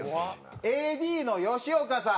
ＡＤの吉岡さん。